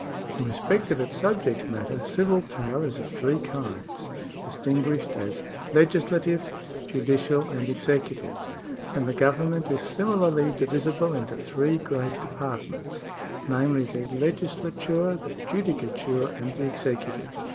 — In respect of its subject matter, civil power is of three kinds, distinguished as legislative, judicial, and executive ; and the government is similarly divisible into three great departments, namely, the legislature, the judicature, and the executive.